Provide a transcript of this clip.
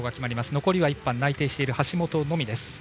残り、１班は内定している橋本のみ。